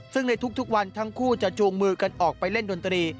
ซึ่งในทุกวันทั้งคู่จะจูงมือกันออกไปเล่นดนตรี